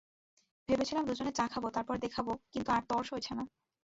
ভেবেছিলাম দুজনে চা খাবো তারপর দেখাবো, কিন্তু আর তর সইছে না।